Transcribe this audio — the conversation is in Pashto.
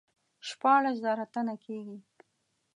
شپاړس زره تنه کیږي.